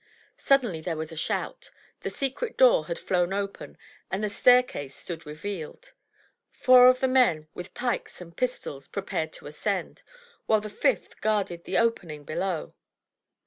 Suddenly there was a shout. The secret door had flown open, and the staircase stood revealed. Four of the men, with pikes and pistols, prepared to ascend, while the fifth guarded the opening below.